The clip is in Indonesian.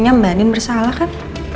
maksudnya mbak andin bersalah kan